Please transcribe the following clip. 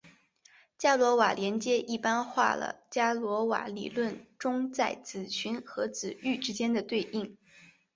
伽罗瓦连接一般化了伽罗瓦理论中在子群和子域之间的对应。